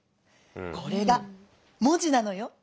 これが文字なのよ」。